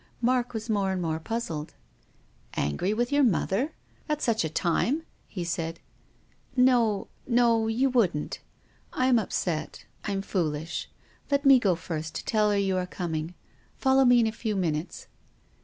Mark was more and more puzzled. " Angry with your mother ? At such a time !" he said. " No — you wouldn't. I am upset. I am fool ish. Let mc go first to tell her you arc coming. Follow me in a few minutes."